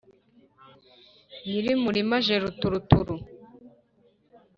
nyiri umurima aje mu ruturuturu